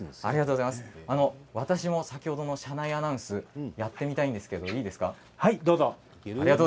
私も先ほどの車内アナウンスやってみたいんですけれどもはい、どうぞ。